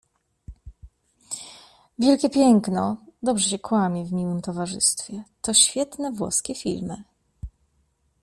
Wielkie Piękno, Dobrze się kłamie w miłym towarzystwie to świetne włoskie filmy.